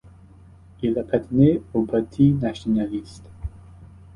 Il appartenait au Parti nationaliste.